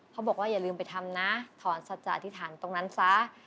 เขาบอกว่าอย่าลืมไปทำนะถอนศัตริย์อธิษฐานตรงนั้นซะ